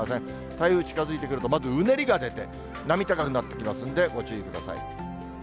台風近づいてくると、まずうねりが出て、波高くなってきますんで、ご注意ください。